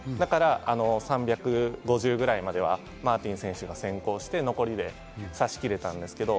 だから３５０ぐらいまでは、マーティン選手が先行して、残りで差し切れたんですけど。